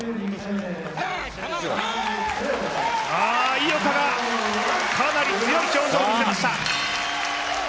井岡がかなり強い表情を見せました。